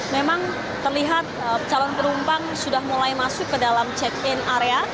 memang terlihat calon penumpang sudah mulai masuk ke dalam check in area